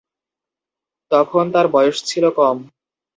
তখন তাঁর বয়স ছিল কম।